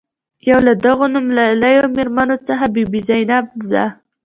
یو له دغو نومیالیو میرمنو څخه بي بي زینب ده.